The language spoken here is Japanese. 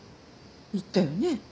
言ったよね。